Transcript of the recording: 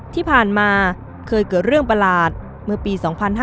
ที่ผ่านมาเคยเกิดเรื่องประหลาดเมื่อปี๒๕๕๙